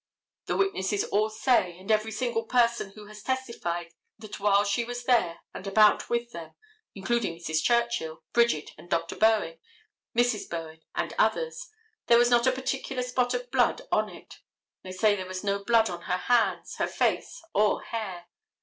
The witnesses all say and every single person who has testified that while she was there and about with them, including Mrs. Churchill, Bridget and Dr. Bowen, Mrs. Bowen and others, there was not a particular spot of blood on it. They say there was no blood on her hands, her face or hair.